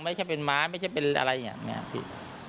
ไม่ใช่เป็นม้าไม่ใช่เป็นอะไรอย่างนี้พี่